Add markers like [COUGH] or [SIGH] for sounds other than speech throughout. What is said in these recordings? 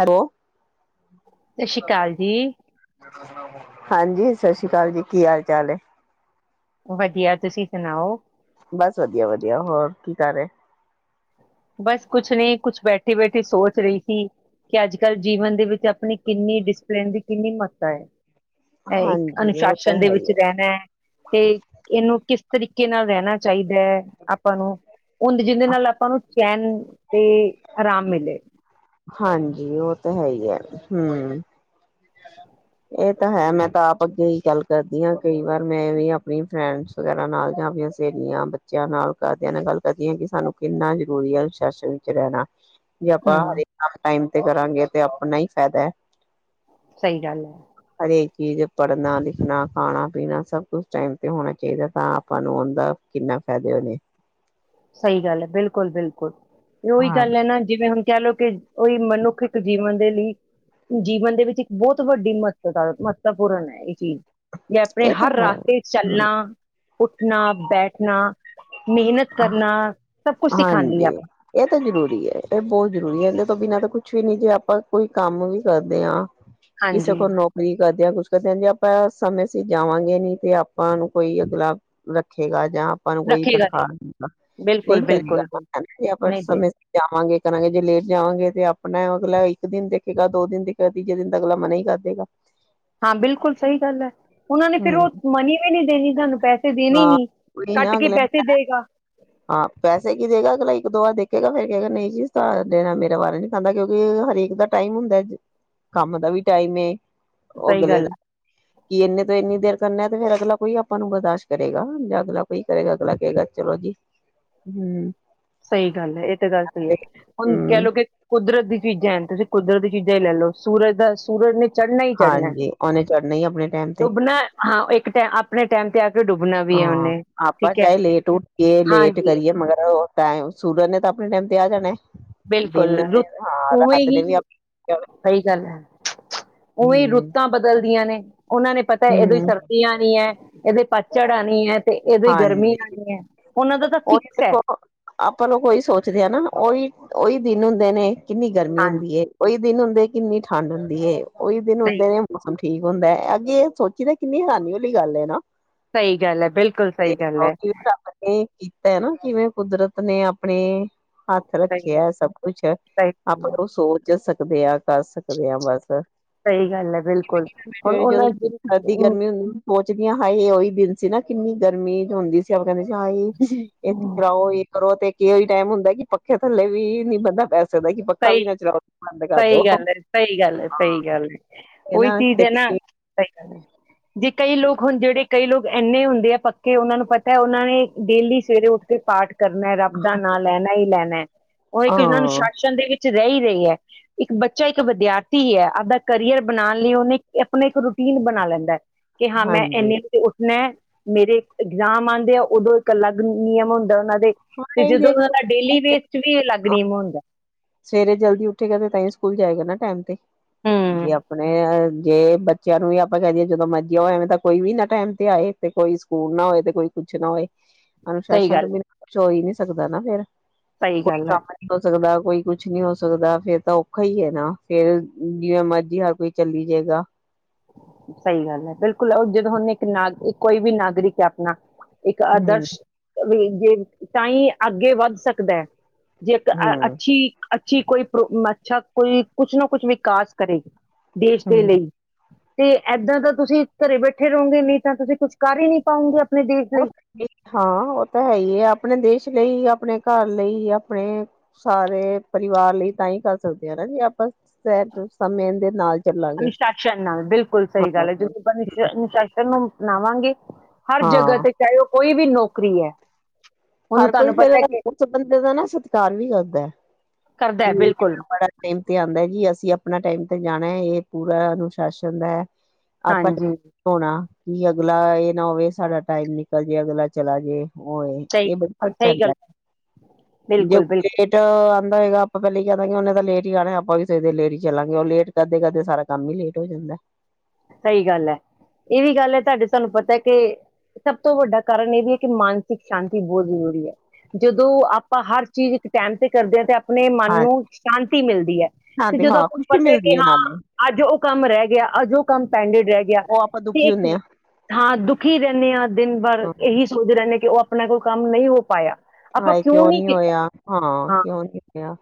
Hello ਸਤਿ ਸ੍ਰੀ ਕਾਲ ਜੀ। ਹਾਂਜੀ, ਸਤ ਸ੍ਰੀ ਕਾਲ ਜੀ। ਕੀ ਹਾਲ-ਚਾਲ ਏ? ਵਧੀਆ। ਤੁਸੀਂ ਸੁਣਾਔ? ਬਸ ਵਧੀਆ-ਵਧੀਆ। ਹੋਰ ਕੀ ਕਰ ਰਏ? ਬਸ ਕੁਛ ਨੀ, ਕੁਛ ਬੈਠੀ-ਬੈਠੀ ਸੋਚ ਰਈ ਸੀ ਕਿ ਅੱਜ ਕੱਲ ਜੀਵਨ ਦੇ ਵਿੱਚ ਆਪਣੀ ਕਿੰਨੀ ਡਿਸਪਲਿਨ ਦੀ ਕਿੰਨੀ ਮਹੱਤਤਾ ਹੈ। ਇਹ ਇੱਕ ਹਾਂਜੀ ਉਹ ਤਾਂ ਅਨੁਸ਼ਾਸਨ ਦੇ ਹੈ ਹੀ ਵਿੱਚ ਹੈ ਰਹਿਣੈ ਤੇ ਇਹਨੂੰ ਕਿਸ ਤਰੀਕੇ ਨਾਲ ਰਹਿਣਾ ਚਾਹੀਦੈ ਆਪਾਂ ਨੂੰ ਐਂਦ ਜਿੰਦੇ ਨਾਲ ਆਪਾਂ ਨੂੰ ਚੈਨ ਤੇ ਆਰਾਮ ਮਿਲੇ ਹਾਂਜੀ ਉਹ ਤਾਂ ਹੈ ਈ ਐ, ਹੂੰ। ਇਹ ਤਾਂ ਹੈ ਮੈਂ ਤਾਂ ਆਪ ਅੱਗੇ ਈ ਗੱਲ ਕਰਦੀ ਆਂ ਕਈ ਵਾਰ ਮੈਂ ਵੀ ਆਪਣੀ ਫਰੈਂਡਸ ਵਗੈਰਾ ਨਾਲ ਜਾਂ ਆਪਣੀਆਂ ਸਹੇਲੀਆਂ, ਬੱਚਿਆਂ ਨਾਲ, ਘਾਰਦਿਆਂ ਨਾਲ ਗੱਲ ਕਰਦੀ ਆਂ ਕਿ ਸਾਨੂੰ ਕਿੰਨਾ ਜ਼ਰੂਰੀ ਐ ਅਨੁਸ਼ਾਸਨ ਚ ਰਹਿਣਾ। ਜੇ ਆਪਾਂ ਹਮ ਹਰੇ [INAUDIBLE] ਟਾਈਮ ਕਰਾਂਗੇ ਤੇ ਆਪਣਾ ਈ ਫੈਦਾ ਐ। ਸਈ ਗੱਲ ਐ। ਇਹ ਇੱਕ ਚੀਜ਼ ਦੇ ਪੜ੍ਹਨਾ, ਲਿਖਣਾ, ਖਾਣਾ, ਪੀਣਾ ਸਭ ਕੁਛ ਟਾਈਮ ਤੇ ਹੋਣਾ ਚਾਹੀਦੈ ਤਾਂ ਆਪਾਂ ਨੂੰ ਔਂਦਾ ਕਿੰਨਾ ਫਾਇਦੇ ਹੋਣੇ। ਸਹੀ ਗੱਲ ਹੈ, ਬਿਲਕੁਲ-ਬਿਲਕੁਲ। ਉਹੀ ਹਾਂ ਗੱਲ ਹੈ, ਨਾ ਜਿਵੇਂ ਹੁਣ ਕਹਿ ਲਓ ਕਿ ਉਹੀ ਮਨੁੱਖ ਇੱਕ ਜੀਵਨ ਦੇ ਲਈ ਜੀਵਨ ਦੇ ਵਿੱਚ ਇੱਕ ਬਹੁਤ ਵੱਡੀ ਮਹੱਤਤਾ ਮਹੱਤਵਪੂਰਨ ਹੈ, ਇਹ ਚੀਜ਼। ਜਾ ਆਪਣੇ ਇਹ ਤਾਂ ਹਰ ਹੈ ਰਸਤੇ ਚ ਹਮ ਚੱਲਣਾ ਉੱਠਣਾ, ਬੈਠਣਾ, ਮਿਹਨਤ ਕਰਨਾ ਸਭ ਕੁਛ ਸਿਖਾਉਂਦੀ ਆ ਹਾਂਜੀ ਇਹ ਤਾਂ ਜ਼ਰੂਰੀ ਹੈ, ਇਹ ਬਹੁਤ ਜ਼ਰੂਰੀ ਹੈ, ਇਹਦੇ ਤੋਂ ਬਿਨਾਂ ਤੇ ਕੁਛ ਵੀ ਨੀ ਜੇ ਆਪਾਂ ਕੋਈ ਕੰਮ ਵੀ ਕਰਦੇ ਹਾਂ ਕਿਸੇ ਹਾਂਜੀ ਕੋ ਨੌਕਰੀ ਕਰਦੇ ਆ ਕੁਛ ਆਪਾਂ ਸਮੇਂ ਸੀਰ ਜਾਵਾਂਗੇ ਨੀ ਤੇ ਆਪਾਂ ਨੂੰ ਕੋਈ ਅਗਲਾ ਰੱਖੇਗਾ। ਜਾਂ ਆਪਾਂ ਨੂੰ ਕੋਈ ਰੱਖੇਗਾ ਨਹੀਂ ਤਨਖਾਹ ਬਿਲਕੁਲ ਨਹੀਂ ਬਿਲਕੁਲ ਕਰੇਗਾ, ਬਿਲਕੁਲ ਜੇ ਆਪਾਂ ਨਹੀਂ ਦੇ ਸਮੇਂ ਸੀਰ ਜਾਵਾਂ ਕਰਾਂਗੇ ਜੇ ਲੇਟ ਜਾਵਾਂਗੇ ਤੇ ਆਪਣਾ ਅਗਲਾ ਇੱਕ ਦਿਨ ਦੇਖੇਗਾ, ਦੋ ਦਿਨ ਦੇਖੇਗਾ ਤੀਜੇ ਦਿਨ ਤੇ ਅਗਲਾ ਮਨਾ ਹੀ ਕਰ ਦੇਗਾ। ਹਾਂ ਬਿਲਕੁਲ ਸਹੀ ਗੱਲ ਹੈ। ਉਹਨਾ ਨੇ ਫ਼ੇਰ ਹਮ ਉਹ ਮਨੀ ਵੀ ਨੀ ਦੇਣੀ ਸਾਨੂੰ ਪੈ ਹਾਂ ਉਹੀ ਨਾ ਅਗਲੇ ਨੇ ਕਹਿਣਾ ਦੇਗਾ ਹਾਂ ਪੈਸੇ ਕੀ ਦੇਗਾ ਅਗਲਾ ਇੱਕ ਦੋ ਵਾਰ ਦੇਖੇਗਾ ਫੇਰ ਕਹੇਗਾ, ਨਹੀਂ ਜੀ ਮੇਰਾ ਵਾਰਾ ਨੀ ਖਾਦਾ ਕਿਉਂਕਿ ਹਰੇਕ ਦਾ ਟਾਈਮ ਹੁੰਦਾ ਕੰਮ ਦਾ ਵੀ ਟਾਈਮ ਏ। ਉਹ ਸਹੀ ਅਗਲੇ ਗੱਲ ਐ। ਦਾ ਕਿ ਇੰਨੇ ਤੋਂ ਇੰਨੀ ਦੇਰ ਕਰਨਾ ਤੇ ਫੇਰ ਅਗਲਾ ਕੋਈ ਆਪਾਂ ਨੂੰ ਬਰਦਾਸ਼ਤ ਕਰੇਗਾ ਅਗਲਾ ਕੋਈ ਕਰੇਗਾ ਅਗਲਾ ਕਹੇਗਾ ਚਲੋ ਜੀ ਹੂੰ, ਸਹੀ ਗੱਲ ਹੈ ਇਹ ਤੇ ਗੱਲ ਸਹੀ ਹੈ, ਹੁਣ ਕਹਿ ਹੂੰ ਲਓ ਕਿ ਕੁਦਰਤ ਦੀ ਚੀਜ਼ਾਂ ਐ ਤੁਸੀਂ ਕੁਦਰਤੀ ਚੀਜ਼ਾਂ ਹੀ ਲੈ ਲਓ ਸੂਰਜ ਦਾ ਸੂਰਜ ਨੇ ਚੜ੍ਹਨਾ ਹੀ ਚੜ੍ਹਨਾ, ਹਾਂਜੀ ਉਹਨੇ ਚੜਨਾ ਹੀ ਆਪਣੇ ਟਾਈਮ ਤੇ ਡੁਬਣਾ ਹਾਂ ਇੱਕ ਟੈਮ ਆਪ ਆਪਣੇ ਟੈਮ ਤੇ ਆ ਕੇ ਡੁੱਬਣਾ ਵੀ ਹੈ ਹਾਂ ਉਹਨੇ ਆਪਾਂ ਠੀਕ ਹੈ ਚਾਹੇ ਲੇਟ ਉੱਠਏ ਲੇਟ ਹਾਂਜੀ ਕਰੀਏ ਮਗਰ ਓ ਟੈਮ ਸੂਰਜ ਨੇ ਤਾਂ ਆਪਣੇ ਟੈਮ ਤੇ ਆ ਜਾਣਾ। ਦਿਨ ਬਿਲਕੁਲ ਨੇ ਰੁਤ ਹਾਂ ਉਵੇਂ ਰਾਤ ਨੇ ਵੀ ਹੀ ਆਪਣੇ ਸਹੀ ਗੱਲ ਹੈ, ਉਵੇਂ ਹੀ ਹੂੰ ਰੁੱਤਾਂ ਬਦਲਦੀਆਂ ਨੇ। ਉਹਨਾਂ ਨੇ ਪਤਾ ਇਹਦੋਂ ਹੀ ਹੂੰ ਸਰਦੀ ਆਣੀ ਹੈ, ਇਹਦੇ ਪਤਝੜ ਆਣੀ ਹੈ, ਤੇ ਇਹਦੋਂ ਹੀ ਗਰਮੀ ਹਾਂਜੀ ਆਣੀ ਹੈ। ਉਹਨਾਂ ਦਾ ਤਾਂ ਉਹੀ ਫਿਕਸ ਹੈ ਦੇਖੋ, ਆਪਾਂ ਲੋਗ ਉਹੀ ਸੋਚਦੇ ਆ ਨਾ ਉਹੀ ਉਹੀ ਦਿਨ ਹੁੰਦੇ ਨੇ ਕਿੰਨੀ ਗਰਮੀ ਹਾਂਜੀ ਹੁੰਦੀ ਹੈ ਉਹੀ ਦਿਨ ਹੁੰਦੇ ਕਿੰਨੀ ਠੰਡ ਹੁੰਦੀ ਏ। ਉਹੀ ਦਿਨ ਸਹੀ ਹੁੰਦੇ ਨੇ ਗੱਲ- ਮੌਸਮ ਠੀਕ ਹੁੰਦਾ ਹੈ, ਅੱਗੇ ਇਹ ਸੋਚੀ ਦਾ ਕਿੰਨੀ ਹੈਰਾਨੀ ਵਾਲੀ ਗੱਲ ਹੈ, ਨਾ ਸਹੀ ਗੱਲ ਹੈ ਬਿਲਕੁਲ ਸਹੀ ਗੱਲ ਹੈ। ਭੈਣੇ ਕਿਵੇਂ ਕੁਦਰਤ ਨੇ ਆਪਣੇ ਹੱਥ ਸਹੀ ਗੱਲ ਰੱਖਿਆ ਸਭ ਕੁੱਛ, ਸਹੀ ਗੱਲ ਆਪਾਂ ਹੈ ਜੌ ਸੋਚ [UNINTELLIGIBLE] ਕਰ ਸਕਦੇ ਹਾਂ ਵੈਸੇ ਸਹੀ ਗੱਲ ਏ ਬਿਲਕੁਲ ਹੁਣ [UNINTELLIGIBLE] ਜਦੋਂ ਉਹਨਾ ਸਰਦੀ- ਗਰਮੀ ਹੁੰਦੀ ਪੋਚਦੀਆਂ ਹਾਏ ਉਹੀ ਦਿਨ ਸੀ ਨਾ ਕਿੰਨੀ ਗਰਮੀ ਹੁੰਦੀ ਸੀ ਆਪ ਕਹਿੰਦੇ ਸੀ ਹਾਏ ਇਹ ਪ੍ਰਾਓ ਕਰੋ ਇਹ ਤੇ ਕਿ ਉਹੀ ਟਾਈਮ ਹੁੰਦਾ ਕਿ ਪੱਖੇ ਥੱਲੇ ਵੀ ਬੰਦਾ ਪੈਸ ਸਕ ਸਹੀ, ਸਹੀ ਗੱਲ ਹੈ। ਸਹੀ ਗੱਲ ਹੈ। ਸਹੀ ਗੱਲ ਹੈ। ਉਹੀ ਹਨਾ ਚੀਜ਼ ਤੇ ਹੈ ਨਾ, ਸਹੀ [INAUDIBLE] ਜੇ ਕਈ ਲੋਕ ਹੁਣ ਜਿਹੜੇ ਕਈ ਲੋਕ ਇੰਨੇ ਹੁੰਦੇ ਆ ਪੱਕੇ ਕਿ ਉਹਨਾਂ ਨੂੰ ਪਤਾ ਹੈ ਉਹਨਾਂ ਨੇ ਡੇਲੀ ਸਵੇਰੇ ਉੱਠ ਕੇ ਪਾਠ ਕਰਨਾ ਹੈ, ਰੱਬ ਦਾ ਨਾਂ ਲੈਣਾ ਹੀ ਲੈਣਾ। ਉਹ ਇੱਕ ਹਾਂ ਜਿਨਾ ਨੂੰ ਛੱਡ ਦੇ ਵਿੱਚ ਰਹਿ ਹੀ ਰਹੀ ਹੈ। ਇੱਕ ਬੱਚਾ ਇੱਕ ਵਿਦਿਆਰਥੀ ਹੈ ਆਪਦਾ ਕਰੀਅਰ ਬਣਾਉਣ ਲਈ ਉਹਨੇ ਆਪਣਾ ਇੱਕ ਰੂਟੀਨ ਬਣਾ ਲੈਂਦਾ ਕਿ ਹਾਂ ਮੈਂ ਹਾਂਜੀ ਇੰਨੇ ਵ ਉੱਠ ਮੈਂ, ਮੇਰੇ ਇਗਜ਼ਾਮ ਆਉਂਦੇ ਆ ਉਦੋਂ ਇੱਕ ਅਲੱਗ ਨਿਯਮ ਹੁੰਦਾ ਉਹਨਾਂ ਹਾਂ ਤੇ ਇਹੀ ਜਦੋਂ ਦੇਖ ਉਹਨਾਂ ਦਾ ਡੇਲੀ ਵੇਸਟ ਵੀ ਅਲੱਗ ਨਿਯਮ ਹੋਣਦਾ। ਸਵੇਰੇ ਜਲਦੀ ਉਠੇਗਾ ਤੇ ਤਾਂ ਸਕੂਲ ਜਾਏਗਾ ਨਾ ਟਾਈਮ ਤੇ। ਜੀ ਹਮ ਆਪਣੇ ਜੇ ਬੱਚਿਆਂ ਨੂੰ ਵੀ ਆਪਾਂ ਕਹਿ ਦਏ ਜਦੋਂ ਮਰਜੀ ਹੋਇਆਵੇਂ ਤਾਂ ਕੋਈ ਵੀ ਨਾ ਟਾਈਮ ਤੇ ਆਏ ਤੇ ਕੋਈ ਸਕੂਲ ਨਾ ਹੋਏ ਤੇ ਕੋਈ ਕੁਛ ਨਾ ਹੋਏ ਸਹੀ ਮਾਨੁਤੋਂ ਗੱਲ ਬ ਕੁਚ ਹੋਈ ਨਹੀਂ ਸਕਦਾ ਨਾ ਫੇਰ ਸਹੀ ਕੋਈ ਗੱਲ ਹੈ, ਕੰਮ ਨੀ ਹੋ ਸਕਦਾ। ਕੋਈ ਕੁਛ ਨੀ ਹੋ ਸਕਦਾ ਫੇਰ ਤਾਂ ਔਖਾ ਹੀ ਹੈ ਨਾ, ਫੇਰ ਜਿਵੇਂ ਮਰਜੀ ਹਰ ਕੋਈ ਚੱਲੀ ਜਾਏਗਾ। ਸਹੀ ਗੱਲ ਹੈ ਬਿਲਕੁਲ ਜਦੋਂ ਹੁਣ ਇੱਕ ਨਾਗ ਕੋਈ ਵੀ ਨਾਗਰਿਕ ਹੈ ਆਪਣਾ ਇੱਕ ਹਮ ਆਦਰਸ਼ ਤਕ ਹੀ ਤਾਂ ਹੀ ਅੱਗੇ ਵੱਧ ਸਕਦਾ ਹੈ। ਜੇ ਇੱਕ ਹਮ ਅੱਛੀ ਅੱਛੀ ਕੋਈ ਪ੍ਰ ਅੱਛਾ ਕੋਈ ਕੁਛ ਨਾ ਕੁਛ ਵਿਕਾਸ ਕਰੇ ਦੇਸ਼ ਦੇ ਹਮ ਲਈ ਤੇ ਏਦਾਂ ਤਾਂ ਤੁਸੀਂ ਘਰੇ ਬੈਠੇ ਰਹੋਗੇ ਨਹੀਂ ਤਾਂ ਤੁਸੀਂ ਕੁਛ ਕਰ ਹੀ ਨੀ ਹਾਂ, ਉਹ ਤਾਂ ਹੈ ਹੀ ਹੈ ਆਪਣੇ ਦੇਸ਼ ਲਈ ਆਪਣੇ ਘਰ ਲਈ, ਆਪਣੇ ਸਾਰੇ ਪਰਿਵਾਰ ਲਈ ਤਾਂ ਹੀ ਕਰ ਸਕਦੇ ਹਾਂ ਨਾ ਜੀ ਆਪਾਂ ਸ ਸਮੇਂ ਦੇ ਨਾਲ ਚੱਲਾਂਗੇ ਅਨੁਸ਼ਾਸਨ ਨਾਲ ਬਿਲਕੁਲ ਸਹੀ ਗੱਲ ਹਾਂ ਹੈ ਜਂ ਆਪਾਂ ਅਨੁਸ਼ਾਸਨ ਨੂੰ ਅਪਨਾਵਾਂਗੇ ਹਰ ਜਗ੍ਹਾ ਹਾਂ ਤੇ ਚਾਹੇ ਉਹ ਕੋਈ ਵੀ ਵੀ ਨੌਕਰੀ ਹੈ ਉਹਨੂੰ ਹਰ ਕੋਈ ਤੁਹਾਨੂੰ ਫੇਰ ਪਤਾ ਕਿ ਉਸ ਬੰਦੇ ਦਾ ਨਾ ਸਤਿਕਾਰ ਵੀ ਕਰਦਾ, ਕਰਦਾ ਕਿ ਹੈ, ਬਿਲਕੁਲ ਬੜਾ ਟਾਈਮ ਤੇ ਆਉਂਦਾ ਜੀ ਅਸੀਂ ਆਪਣਾ ਟਾਈਮ ਤੇ ਜਾਣਾ ਹੈ ਇਹ ਪੂਰਾ ਅਨੁਸ਼ਾਸਨ ਦਾ ਹੈ ਆਪਸ ਵਿਚ ਹਾਂਜੀ। ਹੋਣਾ ਕੀ ਅਗਲਾ ਇਹ ਨਾ ਹੋਵੇ ਸਾਰਾ ਟਾਈਮ ਨਿਕਲ ਜੇ ਅਗਲਾ ਚਲਾ ਜੇ, ਹੋਵੇ ਸਹੀ ਇਹ ਬੜਾ ਫਰਕ ਸਹੀ ਗੱਲ ਪੈਂਦਾ, ਹੈ ਜੇ ਬਿਲਕੁਲ ਬਿਲਕੁਲ ਲੇਟ ਕਹੇਗਾ ਆਪਾਂ ਪਹਿਲ ਹੀ ਕਿਆ ਉਹਨੇ ਤਾਂ ਲੇਟ ਹੀ ਆਉਣਾ ਆਪਾਂ ਵੀ ਸਵੇਰ ਦੇ ਲੇਟ ਹੀ ਚੱਲਾਂਗੇ ਉਹ ਲੇਟ ਕਰਦੇ-ਕਰਦੇ ਸਾਰਾ ਕੰਮ ਹੀ ਲੇਟ ਹੋ ਜਾਂਦਾ ਸਹੀ ਗੱਲ ਹੈ, ਇਹ ਵੀ ਗੱਲ ਹੈ ਸਾਡੀ ਤੁਹਾਨੂੰ ਪਤਾ ਕਿ ਸਭ ਤੋਂ ਵੱਡਾ ਕਾਰਨ ਇਹ ਵੀ ਹੈ ਕਿ ਮਾਨਸਿਕ ਸ਼ਾਂਤੀ ਬਹੁਤ ਜ਼ਰੂਰੀ ਹੈ ਜਦੋਂ ਆਪਾਂ ਹਰ ਚੀਜ਼ ਇੱਕ ਟਾਈਮ ਤੇ ਕਰਦੇ ਹਾਂ ਤੇ ਆਪਣੇ ਮਨ ਹਾਂ ਨੂੰ ਸ਼ਾਂਤੀ ਮਿਲਦੀ ਹੈ, ਹਾਂ ਤੇ ਜਦੋਂ ਹਾਂ ਆਪਾਂ ਨੂੰ ਖੁਸ਼ੀ ਪਤਾ ਹੈ ਕਿ ਮਿਲਦੀ ਹਾਂ ਨਾਲੇ ਅੱਜ ਉਹ ਕੰਮ ਰਹਿ ਗਿਆ ਗਿਆ ਅਜ ਔ ਪੰਡਿਡ ਰਹਿ ਗਿਆ ਉਹ ਆਪਾਂ ਤੇ ਦੁਖੀ ਹੁੰਦੇ ਇੱਕ ਹਾਂ ਥਾਂ ਦੁਖੀ ਰਹਿੰਦੇ ਹਾਂ ਦਿਨ ਵਰ ਹਾਂ, ਇਹੀ ਸੋਚਦੇ ਰਹਿੰਦੇ ਹਾਂ ਕਿ ਉਹ ਆਪਣਾ ਕੋਈ ਕੰਮ ਨਹੀਂ ਹੋ ਪਾਇਆ ਆਪਾਂ ਹਾਏ, ਕਿਉਂ ਨਹੀਂ ਨੀ ਕੀਤਾ ਹੋਇਆ ਹਾਂ ਕਿਉਂ ਨੀ ਹੋਇਆ,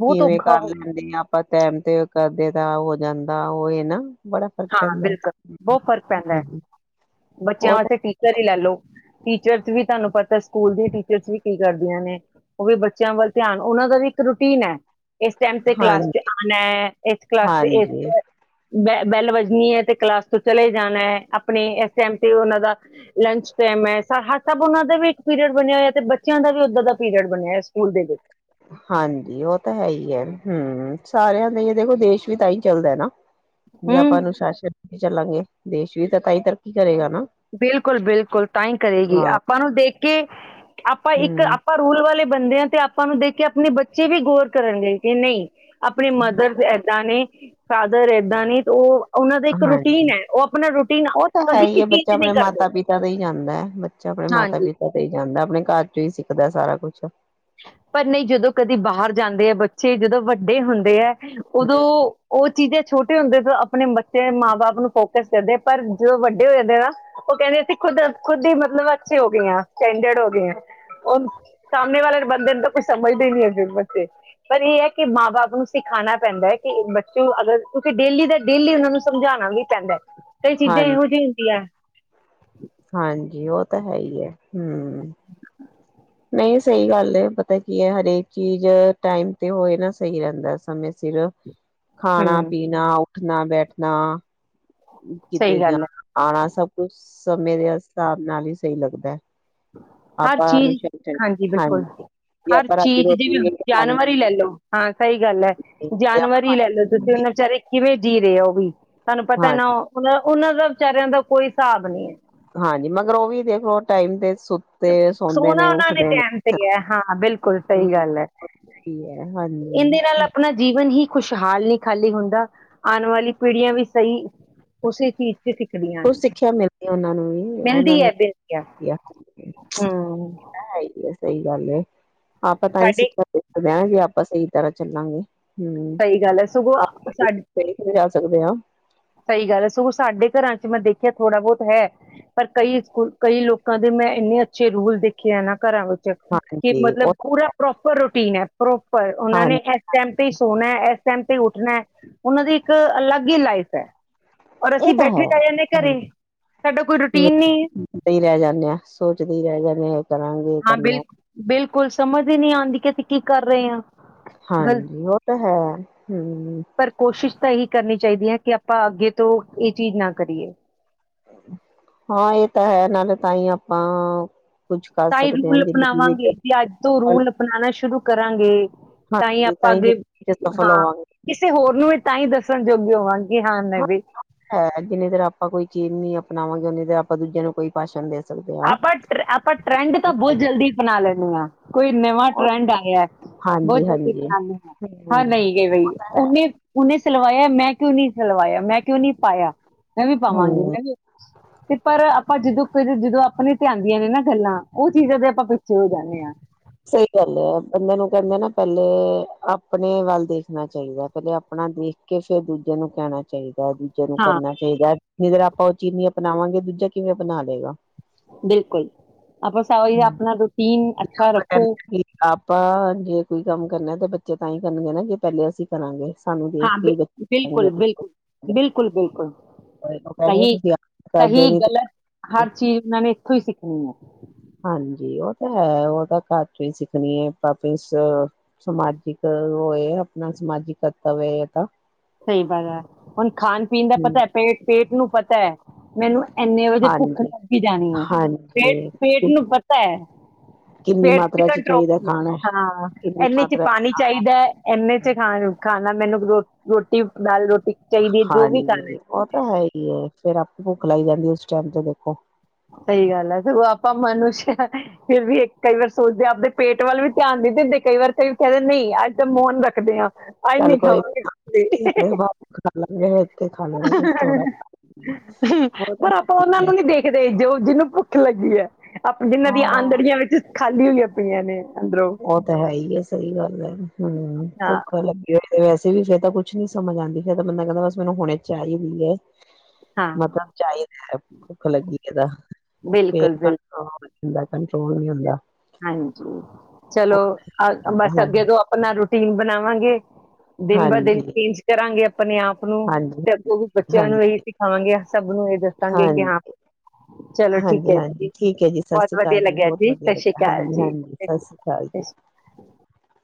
ਬਹੁਤ ਕਿਵੇਂ ਔਖਾ ਕਰ ਹੋ ਲੈਂਦੇ ਆ ਆਪਾਂ ਟੈਮ ਤੇ ਕਰਦੇ ਦਾ ਹੋ ਜਾਂਦਾ ਉਹ ਇਹ ਨਾ ਬੜਾ ਫ਼ਰਕ ਹਾਂ ਪੈਂਦਾ ਹੈ ਬਿਲਕੁਲ ਬਹੁਤ ਫ਼ਰਕ ਪੈਂਦਾ ਹੈ ਬੱਚਿਆਂ ਵਾਸਤੇ ਟੀਚਰ ਹੀ ਲੈਲੋ, ਟੀਚਰ ਵੀ ਤੁਹਾਨੂੰ ਪਤਾ ਸਕੂਲ ਦੀ ਟੀਚਰਸ ਵੀ ਕੀ ਕਰਦੀਆਂ ਨੇ ਉਹ ਵੀ ਬੱਚਿਆਂ ਵੱਲ ਧਿਆਨ ਉਹਨਾਂ ਦਾ ਵੀ ਇੱਕ ਰੂਟੀਨ ਹੈ ਇਸ ਟਾਈਮ ਤੇ ਹਾਂ ਕਲਾਸ ਚ ਆਉਣਾ ਹੈ ਇਸ ਕਲਾਸ ਚ ਇਸ ਹਾਂਜੀ ਬ ਬੈਲ ਵੱਜਣੀ ਹੈ ਤੇ ਕਲਾਸ ਤੋਂ ਚਲੇ ਜਾਣਾ ਹੈ ਆਪਣੇ ਟਾਈਮ ਤੇ ਉਹਨਾਂ ਦਾ, ਲੰਚ ਟਾਈਮ ਹੈ ਹਰ ਸਭ ਉਹਨਾਂ ਦਾ ਵੀ ਇੱਕ ਪੀਰੀਅਡ ਬਣਿਆ ਹੋਇਆ ਤੇ ਬੱਚਿਆਂ ਦਾ ਵੀ ਉੱਦਾਂ ਦਾ ਪੀਰੀਅਡ ਬਣਿਆ ਹੋ ਸਕੂਲ ਦੇ ਵਿੱਚ ਹਾਂਜੀ ਉਹ ਤਾਂ ਹੈ ਹੀ ਹੈ, ਹੂ ਸਾਰਿਆਂ ਦੇ ਦੇਖੋ ਦੇਸ਼ ਵੀ ਤਾਂ ਹੀ ਚੱਲਦਾ ਨਾ ਜੇ ਹਮ ਆਪਾਂ ਅਨੁਸ਼ਾਸਨ ਚੱਲਾਂਗੇ ਦੇਸ਼ ਵੀ ਤਾਂ ਤਾਹੀਂ ਤਰੱਕੀ ਕਰੇਗਾ ਨਾ ਬਿਲਕੁਲ-ਬਿਲਕੁਲ ਤਾਂ ਹੀ ਕਰੇਗੀ, ਹਾਂ ਆਪਾਂ ਨੂੰ ਦੇਖ ਕੇ ਆਪਾਂ ਇੱਕ ਹਮ ਆਪਾਂ ਰੂਲ ਵਾਲੇ ਬੰਦੇ ਆ ਤੇ ਆਪਾਂ ਨੂੰ ਦੇਖ ਕੇ ਆਪਣੇ ਬੱਚੇ ਵੀ ਗੌਰ ਕਰਨਗੇ ਕਿ ਨਹੀਂ ਆਪਣੇ ਮਦਰ ਇੱਦਾਂ ਨੇ ਫਾਦਰ ਏਦਾਂ ਨੀ ਤੇ ਉਹ ਉਹਨਾਂ ਦਾ ਇੱਕ ਰੂਟੀਨ ਹਾਂਜੀ ਹੈ, ਉਹ ਆਪਣਾ ਰੂਟੀਨ ਉਹ ਤਾਂ ਹੈ ਹੀ ਹੈ ਕਦੀਕਿਸੀ ਬੱਚਾ ਆਪਣੇ ਮਾਤਾ ਪਿਤਾ ਤੇ ਈ ਜਾਂਦਾ ਏ ਬੱਚਾ, ਆਪਣੇ ਹਾਂਜੀ ਮਾਤਾ ਪਿਤਾ ਤੇ ਈ ਜਾਂਦਾ, ਆਪਣੇ ਘਰ ਚੋਂ ਈ ਸਿੱਖਦਾ। ਸਾਰਾ ਕੁਛ। ਪਰ ਨਈ ਜਦੋਂ ਕਦੀ ਬਾਹਰ ਜਾਂਦੇ ਏ ਬੱਚੇ, ਜਦੋਂ ਵੱਡੇ ਹੁੰਦੇ ਏ। ਉਦੋਂ ਉਹ ਚੀਜ਼ਾਂ ਛੋਟੇ ਹੁੰਦੇ ਤੋਂ ਆਪਣੇ ਬੱਚੇ ਮਾਂ ਬਾਪ ਨੂੰ ਫੋਕਸ ਕਰਦੇ, ਪਰ ਜੋ ਵੱਡੇ ਹੋ ਜਾਂਦੇ ਨਾ, ਉਹ ਕਹਿੰਦੇ ਅਸੀਂ ਖੁਦ ਖੁਦ ਈ ਮਤਲਬ ਅੱਛੇ ਹੋ ਗਏ ਆਂ, ਸਟੈਂਡਰਡ ਹੋ ਗਏ ਆਂ, ਉਹ ਸਾਹਮਣੇ ਵਾਲੇ ਬੰਦੇ ਨੂੰ ਤਾਂ ਕੁਛ ਸਮਝਦੇ ਨੀ ਹੈਗੇ ਬੱਚੇ ਪਰ ਇਹ ਏ ਕੇ ਮਾਂ ਬਾਪ ਨੂੰ ਸਿਖਾਨਾ ਪੈਂਦਾ ਏ ਕੇ ਬੱਚੇ ਨੂੰ ਅਗਰ, ਕਿਉਂਕਿ ਡੇਲੀ ਦਾ ਡੇਲੀ ਉਹਨਾਂ ਨੂੰ ਸਮਝਾਨਾ ਵੀ ਪੈਂਦਾਏ, ਕਈ ਚੀਜਾ ਹਾਂਜੀ ਏਹੁ ਜੀ‌ ਈ ਹੁੰਦੀਆਂ ਏ। ਹਾਂਜੀ ਉਹ ਤਾਂ ਹੈ ਈ ਹੈ ਹੁੰ। [INAUDIBLE] ਸਹੀ ਗੱਲ ਏ। ਪਤਾ ਕੀ ਏ ਹਰੇਕ ਚੀਜ਼ ਟਾਈਮ ਤੇ ਹੋਏ ਨਾ ਸਹੀ ਰਹਿੰਦਾ ਸਮੇਂ ਸਿਰ ਖਾਨਾ ਹਮ ਪੀਨਾ ਓ ਠਨਾ ਬੈਠਨਾ ਸਹੀ ਕਿਤੇ ਗੱਲ ਹੈ ਜਾਨਾ ਆਨਾ ਸਭ ਕੁਛ ਸਮੇਂ ਦੇ ਹਿਸਾਬ ਨਾਲ ਈ। ਸਹੀ ਲੱਗਦਾਏ। ਹਰ ਚੀਜ਼, ਹਾਂਜੀ, ਬਿਲਕੁਲ ਜੇ ਹਰ ਆਪਾਂ ਰਾਤੀ ਚੀਜ਼ ਰੋਟੀ ਜਿਵੇਂ ਲੈ ਕੇ ਜਾਨਵਰ ਈ ਲੈ ਖਾਂਦੇ ਲੋ, ਹਾਂ ਸਹੀ ਗੱਲ ਏ ਜਾਨਵਰ ਈ ਲੈ ਲੋ ਤੁਸੀਂ ਉਹਨਾਂ ਵਿਚਾਰੇ ਕਿਵੇਂ ਜੀ ਰੇਆਂ ਉਹ ਵੀ। ਤੁਹਾਨੂੰ ਪਤਾ ਹਾਂ ਨਾ‌‌ ਉ [UNINTELLIGIBLE] ਉਹਨਾਂ ਦਾ ਵਿਚਾਰਿਆਂ ਦਾ ਕੋਈ ਸਾਬ ਨਈ ਏ। ਹਾਂਜੀ ਮਗਰੋ ਉਹ ਵੀ ਦੇਖੋ ਟਾਈਮ ਤੇ ਸੁੱਤੇ ਸੌਦੇ ਸੋਨਾ ਉਹਨਾਂ ਨੇ ਉੱਠਦੇ ਧਿਆਨ ਤੇ ਈ ਏ, ਹਾਂ, ਬਿਲਕੁਲ ਸਹੀ ਹਾਂ ਗੱਲ ਏ। ਸਹੀ ਹੈ ਹਾਂਜੀ ਇਨਦੇ ਨਾਲ ਆਪਣਾ ਜੀਵਨ ਹੀ ਖੁਸ਼ਹਾਲ ਨਹੀਂ ਖਾਲੀ ਹੁੰਦਾ, ਆਨ ਵਾਲੀ ਪੀੜੀਆਂ ਵੀ ਸਹੀ ਉਸੇ ਚੀਜ਼ ਚ ਸਿੱਖਦੀਆਂ ਕੁਛ ਨੇ ਸਿੱਖਿਆ ਮਿਲ ਉਹਨਾਂ ਨੂੰ ਵੀ ਉਹਨਾਂ ਮਿਲਦੀ ਨੂੰ ਹੈ ਬੇਨਤੀਆਂ ਕਿਹਾ। ਹਮ [UNINTELLIGIBLE] ਸਹੀ ਗੱਲ ਏ। ਆਪਾਂ ਤਾਂ ਹੀ ਸਾਡੇ ਸਿੱਖਿਆ। [UNINTELLIGIBLE] ਮੈਂ ਵੀ ਆਪਾ ਸਹੀ ਤਰ੍ਹਾਂ ਚੱਲਾਂਗੇ। ਹਮ ਸਹੀ ਗੱਲ ਏ ਸਗੋਂ ਸਾਡ ਆਪਾਂ ਜਾ ਸਕਦੇ ਆ। ਸਹੀ ਗੱਲ ਏ। ਸਗੋਂ ਸਾਡੇ ਘਰਾਂ ਚ ਮੈਂ ਦੇਖਿਆ ਥੋੜਾ ਬਹੁਤ ਹੈ। ਪਰ ਕਈ ਸਕੂ ਕਈ ਲੋਕਾਂ ਦੇ ਮੈਂ ਇੰਨੇ ਅੱਛੇ ਰੂਲ ਦੇਖੇ ਐ ਨਾ ਘਰਾਂ ਵਿੱਚ ਕਿ ਹਾਂਜੀ ਮਤਲਬ ਉਹ ਪੂਰਾ ਪ੍ਰੋਪਰ ਰੂਟੀਨ ਏ। ਪ੍ਰੋਪਰ ਉਹਨਾਂ ਨੇ ਹਾਂਜੀ ਇਸ ਟਾਈਮ ਤੇ ਹੀ ਸੋਨਾ ਇਸ ਟਾਈਮ ਕਿ ਉੱਠਨਾਏ ਉਹਨਾਂ ਦੀ ਇੱਕ ਅਲੱਗ ਹੀ ਲਾਈਫ ਏ। ਏ ਤਾਂ ਹੈ। ਹੁੰ ਸਾਡਾ ਕੋਈ ਰੂਟੀਨ [UNINTELLIGIBLE] ਨਹੀਂ ਹੈ ਦੇ ਰਹਿ ਜਾਂਨੇ ਆਂ, ਸੋਚਦੇ ਰਹਿ ਜਾਂਨੇ ਆਂ ਕਰਾਂਗੇ। ਹਾਂ, ਕਰਨਾ ਬਿਲਕੁ ਬਿਲਕੁਲ ਸਮਝ ਹੀਈ ਨਈ ਆਂਦੀ ਕਿ ਅਸੀ ਕੀ ਕਰ ਰੇ ਆ। ਹਾਂਜੀ ਉਹ ਤਾਂ ਹੈ ਹਮ ਪਰ ਕੋਸ਼ਿਸ਼ ਤਾਂ ਇਹੀ ਕਰਨੀ ਚਾਹੀਦੀ ਹੈ ਕਿ ਆਪਾਂ ਅੱਗੇ ਤੋਂ ਇਹ ਚੀਜ਼ ਨਾ ਕਰੀਏ ਹਾਂ ਇਹ ਤਾਂ ਹੈ ਨਾਲੇ ਤਾਂ ਹੀ ਆਪਾਂ ਕੁੱਝ ਕਰ ਤਾਂ ਹੀ ਸਕਦੇ ਹਾਂ ਰੂਲ ਜ਼ਿੰਦਗੀ ਵਿੱਚ ਅਪਣਾਵਾਂਗੇ ਵੀ ਅੱਜ ਤੋਂ ਰੂਲ ਅਪਣਾਣਾ ਸ਼ੁਰੂ ਕਰਾਂਗੇ ਤਾਂ ਹੀ ਹਾਂਜੀ ਆਪਾਂ ਅੱਗੇ ਜ਼ਿੰਦਗੀ ਚ ਸਫਲ ਹਾਂ ਹੋਵਾਂਗੇ ਕਿਸੇ ਹੋਰ ਨੂੰ ਵੀ ਤਾਂ ਹੀ ਦੱਸਣ ਯਗ ਹੋਵਾਨ ਹਾਂ ਹੈ ਜਿੰਨਨੀ ਤੇ ਆਪਾਂ ਕੋਈ ਕਿਮ ਨੀ ਬਣਾਵਾਂਗੇ ਉਹੇ ਦੇ ਆਪਾਂ ਦੂਜਿਆਂ ਨੂੰ ਕੋਈ ਭਾਸ਼ਣ ਦੇ ਸਕਦੇ ਹਾਂ ਆਪਾਂ ਆਪਾਂ ਟਰੈਂਡ ਤਾਂ ਬਹੁਤ ਜਲਦੀ ਅਪਣਾ ਲੈਂਦੇ ਹਾਂ ਕੋਈ ਨਵਾਂ ਟਰੈਂਡ ਆਇਆ ਬਹੁਤ ਹਾਂਜੀ ਜਲਦੀ ਹਾਂਜੀ ਅਪਣਾਦੇ ਹਾਂ ਹਾਂ ਹਮ ਨਹੀਂ ਗ ਬਈ ਉਹਨੇ ਉਹਨੇ ਸਲਵਾਇਆ ਮੈਂ ਕਿਉਂ ਨੀ ਸਲਵਾਇਆ ਮੈਂ ਕਿਉਂ ਨਹੀਂੀ ਪਾਇਆ ਨਵੀ ਪਾਵਾਂਗੀ ਹਮ ਨੈਂਵ ਤੇ ਪਰ ਆਪਾਂ ਜਦੋਂ ਫਿਰ ਜਦੋਂ ਆਪਣੇ ਧਿਆਉਂਦੀਆਂ ਨੇ ਨਾ ਗੱਲਾਂ ਉਹ ਚੀਜ਼ਾਂ ਤੇ ਆਪਾਂ ਪਿੱਛੇ ਹੋ ਜਾਂਦੇ ਹਾਂ ਸਹੀ ਗੱਲ ਹੈ ਬੰਦ ਨੂੰ ਕਹਿੰਦੇ ਨਾ ਪਹਿਲੇ ਆਪਣੇ ਵੱਲ ਦੇਖਣਾ ਚਾਹੀਦਾ ਪਹਿਲੇ ਆਪਣਾ ਦੇਖ ਕੇ ਫੇਿਰ ਦੂਜੇ ਨੂੰ ਕਹਿਣਾ ਚਾਹੀਦਾ ਦੂਜੇ ਨੂੰ ਹਾਂ ਕਰਨਾ ਚਾਹੀਦਾ ਜਿਧਰ ਆਪਾਂ ਉਹ ਚੀਨੀ ਅਣਾਵਾਂਗੇ ਦੂਜਾ ਕਿਵੇਂ ਬਣਾ ਦੇਗਾ ਬਿਲਕੁਲ ਆਪਾਂ ਸ ਜ ਆਪਣਾ ਰੂਟੀਨ ਅੱਛਾ ਰੱਖ ਕਹਿੰਦਾ ਕਿ ਆਪਾਂ ਜੇ ਕੋਈ ਕੰਮ ਕਰਨਾ ਤੇ ਬੱਚੇ ਤਾਂ ਹੀ ਕਰਨਗੇ ਨਾ ਕਿ ਪਹਿਲੇ ਅਸੀਂ ਕਰਾਂਗੇ ਸਾਨੂੰ ਦੇਖ ਹਾਂ ਕੇ ਬ ਹੀ ਬੱਚੇ ਬਿਲਕੁਲ ਬਿਲਕੁਲ ਬਿਲਕੁਲ ਬਿਲਕੁਲ ਉਹ ਕਹਿਣਗੇ ਸਹੀ ਤੁਸੀਂ ਆਪ ਕਰਦੇ ਸਹੀ ਨੀ ਗਲਤ ਹਰ ਚੀਜ਼ ਉਹਨਾਂ ਨੇ ਇੱਥੋਂ ਹੀ ਸਿੱਖੀ ਹ ਹਾਂਜੀ ਉਹ ਤਾਂ ਹੈ ਉਹ ਤਾਂ ਘਰ ਚ ਹੀ ਸਿੱਖਣੀ ਹੈ ਪਾਪੇ ਸਮਾਜਿਕ ਇਹ ਆਪਣਾ ਸਮਾਜਿਕ ਕਰਤਵ ਹੈ ਤਾਂ ਸਹੀ ਬੱਲ ਹੈ ਹੁਣ ਖਾਣ ਪੀਣ ਦਾ ਪਤਾ ਹੈ ਪੇਟ ਪੇਟ ਨੂੰ ਪਤਾ ਹੈ ਮੈਨੂੰ ਇੰਨੇ ਵਜੇ ਭੁੱਖ ਹਾਂਜੀ ਲੱਗੀ ਜਾਣੀ ਹੈ ਪੇਟ ਹਾਂਜੀ ਪੇਟ ਕਿ ਨੂੰ ਪਤਾ ਹੈ ਕਿੰਨੀ ਪੇਟ ਚ ਮਾਤਰਾ ਚਾਹੀਦਾ ਕੰਟਰੋਲ ਖਾਣਾ ਹਾਂ ਕਿੰਨੀ ਇਹਨੇ ਚ ਮਾਤਰਾ ਪਾਣੀ ਚਾਹੀਦਾ ਇਨੇ ਚ ਖਾ ਖਾਣਾ ਮੈਨੂੰ ੋ ਰੋਟੀ ਦਾਲ ਰੋਟੀ ਚਾਹੀਦੀ ਹੈ ਜੋ ਵੀ ਖਾਣਾ ਹੈ ਹਾਂਜੀੀ ਉਹ ਤਾਂ ਹੈ ਹੀ ਹੈ ਫੇਰ ਆਪ ਭੁੱਖ ਲਾਈ ਜਾਂਦੀ ਉਸ ਚਬ ਤੋਂ ਦੇਖੋ ਸਹੀ ਗੱਲ ਹੈ ਸਗੋਂ ਆਪਾਂ ਮਨੁਸ਼ ਫਿਰ ਵੀ ਕਈ ਵਾਰ ਸੋਚਦੇ ਆਪਦੇ ਪੇਟ ਵੱਲ ਵੀ ਧਿਆਨ ਦੇ ਦਿੰਦੇ ਕਈ ਵਾਰ ਕਈ ਕਹਿੰਦੇ ਨਹੀਂ ਅੱਜ ਤਾਂ ਮੋਹਨ ਰੱਖਦੇ ਹਾਂ ਅੱਜ ਚੱਲ ਨਹੀਂ ਕੋਈ ਖਾਵਾਂਗੇ ਕੁਛ ਨੀ, ਵੀ। ਖਾ ਲਾਂਗੇ ਇਥੇ ਖਾ ਲੈ ਥੋੜਾ। ਪਰ ਆਪਾਂ ਉਹਨਾਂ ਨੂੰ ਨਹੀਂ ਦੇਖਦੇ ਜੋ ਜਿਹਨੂੰ ਭੁੱਖ ਲੱਗੀ ਹੈ। ਆਪ ਜਿੰਹਨਾਂ ਦੀਆਂ ਹਾਂ ਆਂਧੜੀਆਂ ਵਿੱਚ ਖਾਲੀ ਹੋਈਆਂ ਪਈਆਂ ਨੇ। ਅੰਦਰੋਂ ਉਹ ਤਾਂ ਹੈ ਹੀ ਹੈ ਸਹੀ ਗੱਲ ਹੈ। ਹੂੰ, ਹਾਂ ਭੁੱਖਾ ਲੱਗੀ ੳਈ ਵੈਸੇ ਵੀ ਫੇਰ ਤਾਂ ਕੁਛ ਨੀ ਸਮਝ ਆਉਂਦੀ, ਫਿਰਰ ਤਾਂ ਬਨੰਦਾ ਕਹਿੰਦਾ ਮੈਨੂ ਬਸ ਹੁਣੇ ਚਾਹੀਦੀ ਹੈ। ਹਾਂ ਮਤਲਬ ਚਾਹੀਦਾ ਹੈ, ਭੁੱਖ ਲੱਗੀ ਇਹਦਾ ਇਹ ਬਿਲਕੁਲ ਬਿਲਕੁਲ [UNINTELLIGIBLE] ਕੰਟਰੋਲ ਨੀ ਹੁੰਦਾ। ਹਾਂਜੀ ਚਲੋ ਅ ਬਸ ਹਾਂਜੀ ਅੱਗੇ ਤੋਂ ਆਪਣਾ ਰ ਟੀਮ ਬਣਾਵਾਂਗੇ। ਦਿਨ ਬਾ ਦਿਨ ਹਾਂਜੀ ਚੇਂਜ ਕਰਾਂਗੇ ਆਪਣੇ ਆਪ ਨੂੰ, ਹਾਂਜੀ ਤੇ ਅੱਗੋਂ ਵੀ ਬੱਚਿਆਂ ਹਾਂਜੀ ਨੂੰ ਇਹੀ ਸਿਖਾਵਾਂਗੇ ਸਭ ਨੂੰ ਇਹ ਦੱਸਾਂਗੇ ਕਿ ਹਾਂ ਚਲੋ ਠੀਕ ਹਾਂਜੀ ਹੈ, ਹਾਂਜੀ ਜੀ ਠੀਕ ਹੈ ਜੀ ਸਤਿ ਸ਼੍ਰੀ ਬਹੁਤ ਵਧੀਆ ਅਕਾਲ ਲੱਗਿਆ ਜੀ। ਬਹੁਤ ਵਧੀਆ ਸਤਿ ਸ੍ਰੀ ਲੱਗਿਆ, ਅਕਾਲ ਹਾਂਜੀ ਜੀ -ਹਾਂਜੀ ਸਤਿ ਸ਼੍ਰੀ ਅਕਾਲ ਸਤਿ ਸ਼੍ਰੀ ਜੀ।